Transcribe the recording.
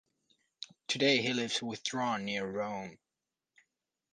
Today he lives withdrawn near Rome.